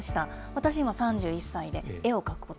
私、今３１歳で、絵を描くこと、